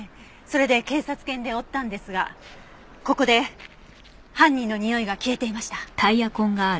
それで警察犬で追ったんですがここで犯人のにおいが消えていました。